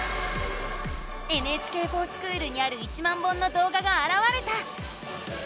「ＮＨＫｆｏｒＳｃｈｏｏｌ」にある１万本のどうががあらわれた！